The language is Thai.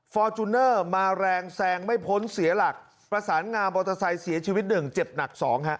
ฟอร์จูเนอร์มาแรงแซงไม่พ้นเสียหลักประสานงามมอเตอร์ไซค์เสียชีวิตหนึ่งเจ็บหนักสองฮะ